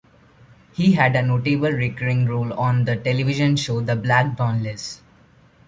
He had a notable recurring role on the Television show The Black Donnellys.